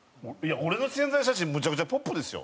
俺の宣材写真むちゃくちゃポップですよ。